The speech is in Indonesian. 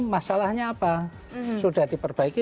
masalahnya apa sudah diperbaiki